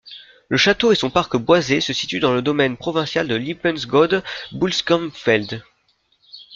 Le château et son parc boisé se situent dans le domaine provincial de Lippensgoed-Bulskampveld.